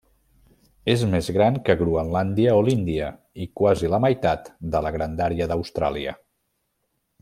És més gran que Groenlàndia o l'Índia, i quasi la meitat de la grandària d'Austràlia.